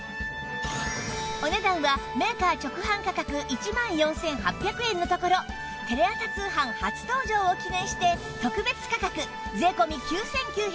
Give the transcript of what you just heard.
お値段はメーカー直販価格１万４８００円のところテレ朝通販初登場を記念して特別価格税込９９８０円